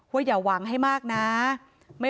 พี่สาวบอกว่าไม่ได้ไปกดยกเลิกรับสิทธิ์นี้ทำไม